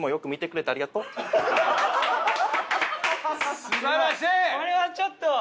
これはちょっと。